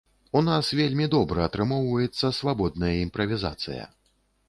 У нас вельмі добра атрымоўваецца свабодная імправізацыя.